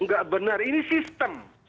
enggak benar ini sistem